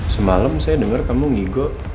semalam saya dengar kamu ngigo